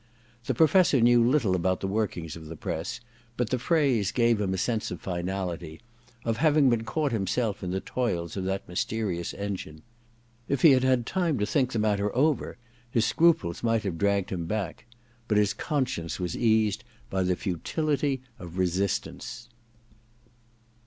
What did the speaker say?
The Professor knew little about the workings of the press, but the phrase gave him a sense of finality, of having been caught himself in the toils of that mysterious engine. If he had had time to think the matter over his scruples might have dragged him back ; but his con science was eased oy the futility of resistance.